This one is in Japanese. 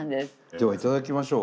では頂きましょう。